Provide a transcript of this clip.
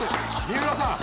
三浦さん。